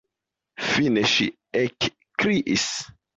Fine ŝi ekkriis: